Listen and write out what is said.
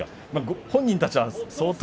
本人たちは相当。